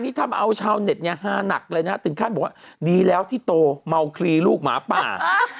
นี่ทำเอาชาวเน็ตเนี่ยฮาหนักเลยนะถึงขั้นบอกว่าดีแล้วที่โตเมาคลีลูกหมาป่า